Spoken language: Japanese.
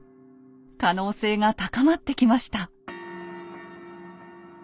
可能性が高まってきました。